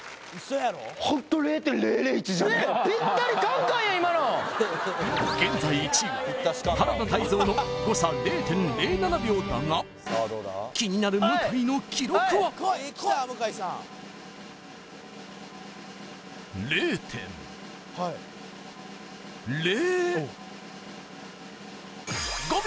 やん今の現在１位は原田泰造の誤差０．０７秒だが気になる向井の記録は０．０５秒！